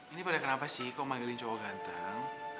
ini pada kenapa sih kok manggilin cowok ganteng